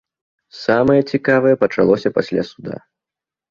Самае цікавае пачалося пасля суда.